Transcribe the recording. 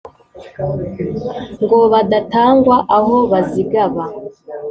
Ngo badatangwa aho bazigaba